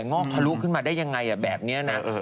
งอกทะลุขึ้นมาได้ยังไงแบบนี้นะ